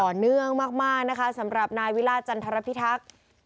เนื่องมากนะคะสำหรับนายวิราชจันทรพิทักษ์